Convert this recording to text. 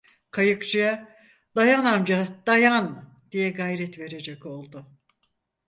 Kayıkçıya, "Dayan amca, dayan!" diye gayret verecek oldu.